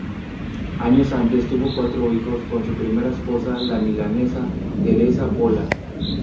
Años antes, tuvo cuatro hijos con su primera esposa la milanesa Teresa Pola.